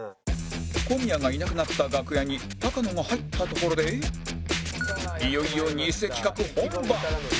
小宮がいなくなった楽屋に高野が入ったところでいよいよ偽企画本番